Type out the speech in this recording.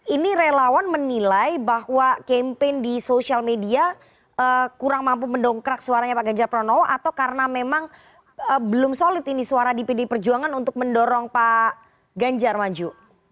ini relawan menilai bahwa campaign di sosial media kurang mampu mendongkrak suaranya pak ganjar pranowo atau karena memang belum solid ini suara di pdi perjuangan untuk mendorong pak ganjar maju